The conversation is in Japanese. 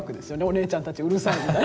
「お姉ちゃんたちうるさい」。